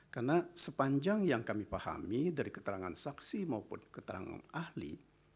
karena sepanjang yang kami pahami dari keterangan saksi maupun keterangan ahli